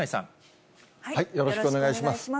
よろしくお願いします。